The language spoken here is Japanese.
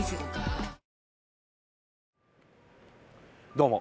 どうも。